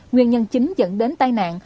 nguyên nhân chính dẫn đến tai nạn